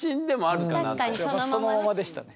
そのままでしたね